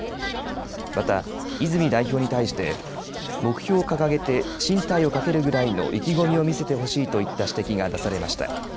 また、泉代表に対して目標を掲げて進退をかけるぐらいの意気込みを見せてほしいといった指摘が出されました。